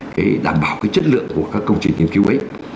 để đảm bảo cái chất lượng của các công trình nghiên cứu ấy